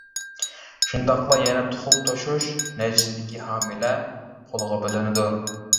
شۇنداقلا يەنە تۇخۇم توشۇش نەيچىسىدىكى ھامىلە قولغا بىلىنىدۇ.